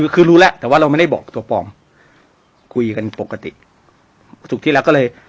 คือรู้แล้วแต่ว่าเราไม่ได้บอกตัวปลอมคุยกันปกติศุกร์ที่แล้วก็เลย